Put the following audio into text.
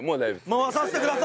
回させてくださいよ！